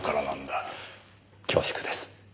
恐縮です。